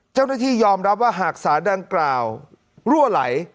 เจ้าหน้าที่ยอมรับว่าหากสารดังกล่าวรั่วไหล